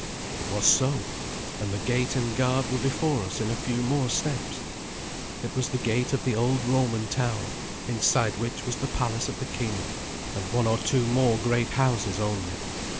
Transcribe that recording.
It was so, and the gate and guard were before us in a few more steps. It was the gate of the old Roman town, inside which was the palace of the king and one or two more great houses only.